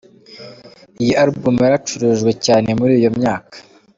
Iyi album yaracurujwe cyane muri iyo myaka.